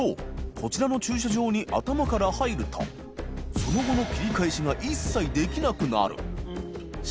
こちらの駐車場に頭から入ると磴修慮紊切り返しが一切できなくなる磴